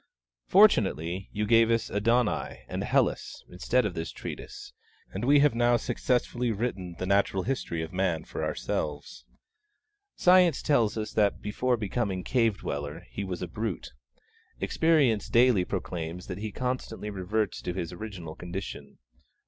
Fortunately you gave us 'Adonai, and 'Hellas' instead of this treatise, and we have now successfully written the natural history of Man for ourselves. Science tells us that before becoming cave dweller he was a brute; Experience daily proclaims that he constantly reverts to his original condition.